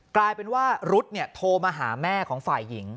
กลายเป็นว่ารุ๊ดโทรมาหาแม่ของฝ่ายหญิง